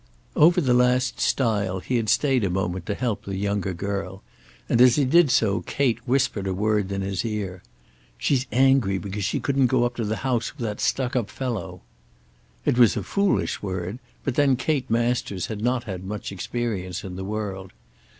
Over the last stile he had stayed a moment to help the younger girl, and as he did so Kate whispered a word in his ear. "She's angry because she couldn't go up to the house with that stuck up fellow." It was a foolish word; but then Kate Masters had not had much experience in the world.